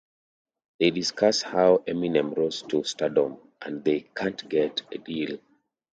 They discuss how Eminem rose to stardom, and they can't get a deal.